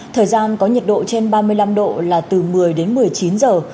thời gian có nhiệt độ trên ba mươi năm độ c là từ một mươi một mươi chín giờ